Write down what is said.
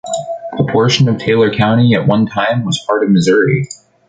A portion of Taylor County at one time was part of Missouri.